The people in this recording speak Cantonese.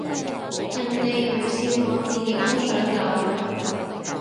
人哋唔笑我自己都想嘔